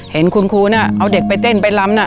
เห็นคุณครูน่ะเอาเด็กไปเต้นไปล้ำน่ะ